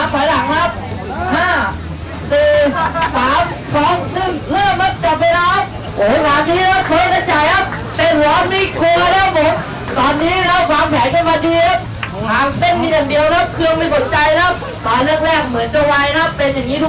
ผมรับขวายหลังครับ